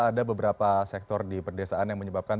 ada beberapa sektor di pedesaan yang menyebabkan